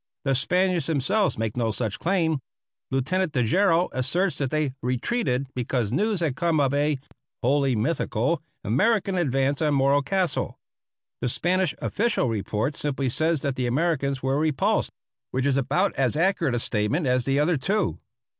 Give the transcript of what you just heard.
The Spaniards themselves make no such claim. Lieutenant Tejeiro asserts that they retreated because news had come of a (wholly mythical) American advance on Morro Castle. The Spanish official report simply says that the Americans were repulsed; which is about as accurate a statement as the other two.